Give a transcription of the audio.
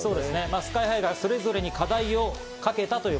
ＳＫＹ−ＨＩがそれぞれに課題をかけた。